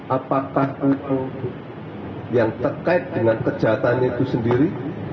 apakah uang yang terkait dengan kejahatan itu sendiri